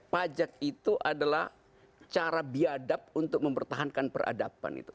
pajak itu adalah cara biadab untuk mempertahankan peradaban itu